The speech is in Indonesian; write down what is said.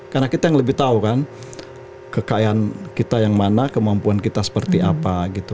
karena kita yang lebih tahu kan kekayaan kita yang mana kemampuan kita seperti apa gitu